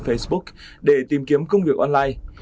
facebook để tìm kiếm công việc online